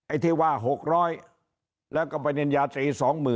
ที่ว่า๖๐๐แล้วก็ปริญญาตรี๒๐๐๐